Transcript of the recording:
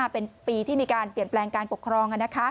เป็นปีที่มีการเปลี่ยนแปลงการปกครอง